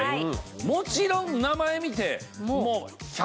もちろん名前見てもう。